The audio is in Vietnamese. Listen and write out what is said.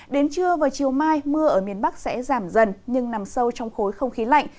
đến trưa và chiều mai mưa ở miền bắc sẽ giảm dần nhưng nằm sâu trong khối không khí lạnh